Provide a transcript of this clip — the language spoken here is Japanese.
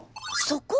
そこ！？